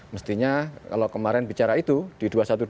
mestinya kalau kemarin bicara itu di dua ratus dua belas